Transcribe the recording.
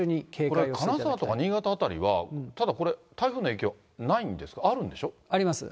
ただこれ、金沢とか新潟辺りは、ただこれ、台風の影響ないんですか、あるんあります。